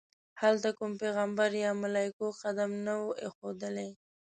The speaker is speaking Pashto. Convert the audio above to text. هلته کوم پیغمبر یا ملایکو قدم نه وي ایښودلی.